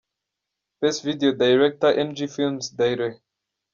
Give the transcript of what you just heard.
Best Video Director: Ng Filmz – Dir.